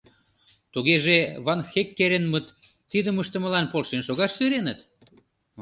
Тугеже Ван-Хеккеренмыт тидым ыштымылан полшен шогаш сӧреныт?